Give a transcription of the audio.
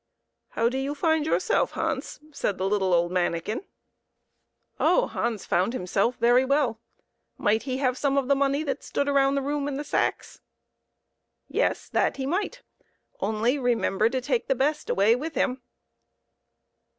" How do you find yourself, Hans ?" said the little old manikin. Oh, Hans found himself very well. Might he have some of the money that stood around the room in the sacks ? Yes, that he might ; only remember to take the best away with him.